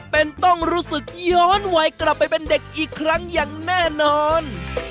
เป็นต้องรู้สึกย้อนวัยกลับไปเป็นเด็กอีกครั้งอย่างแน่นอน